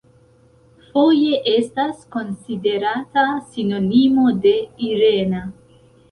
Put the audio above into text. Foje estas konsiderata sinonimo de "Irena".